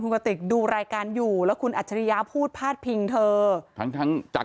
คุณกติกดูรายการอยู่แล้วคุณอัจฉริยะพูดพาดพิงเธอทั้งทั้งจาก